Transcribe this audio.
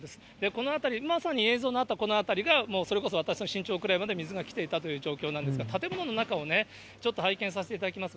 この辺り、まさに映像のあったこの辺りが、それこそ私の身長くらいまで水が来ていたという状況なんですが、建物の中をちょっと拝見させていただきます。